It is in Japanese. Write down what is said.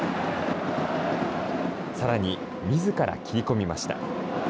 さらにみずから切り込みました。